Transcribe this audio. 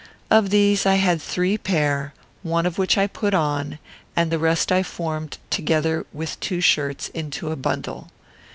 Of these I had three pair, one of which I put on, and the rest I formed, together with two shirts, into a bundle.